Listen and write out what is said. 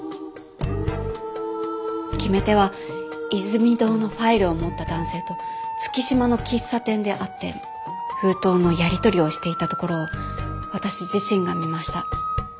決め手はイズミ堂のファイルを持った男性と月島の喫茶店で会って封筒のやり取りをしていたところを私自身が見ました。